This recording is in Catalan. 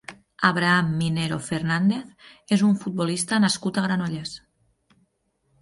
Abraham Minero Fernández és un futbolista nascut a Granollers.